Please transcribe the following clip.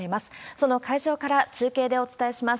その会場から中継でお伝えします。